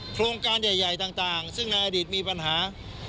โครงการใหญ่ต่างซึ่งในอดีตมีปัญหา